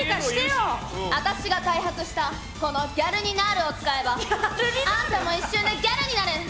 私が開発したこの「ギャルニナール」を使えばあんたも一瞬でギャルになる！